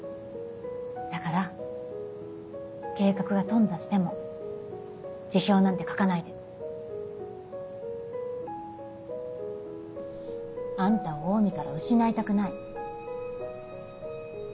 だから計画が頓挫しても辞表なんて書かないで。あんたをオウミから失いたくない。